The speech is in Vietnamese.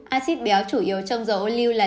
acid béo chủ yếu trong dầu ô lưu là